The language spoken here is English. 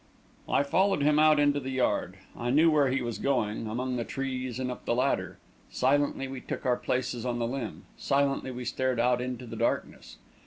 I followed him out into the yard I knew where he was going among the trees and up the ladder. Silently we took our places on the limb; silently we stared out into the darkness.